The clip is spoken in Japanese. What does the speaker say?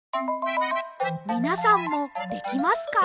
みなさんもできますか？